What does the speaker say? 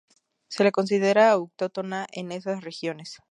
Se la considera autóctona en esas regiones.